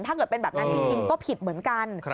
ถ้าเกิดเป็นแบบนั้นจริงก็ผิดเหมือนกัน